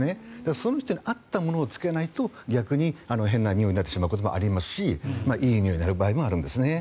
その人に合ったものをつけないと逆に変なにおいになってしまうこともありますしいいにおいになることもあるんですね。